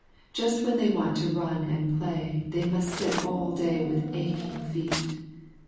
Just when they want to run and play, they must sit all day with aching feet.